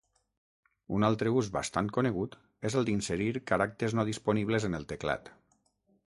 Un altre ús bastant conegut és el d'inserir caràcters no disponibles en el teclat.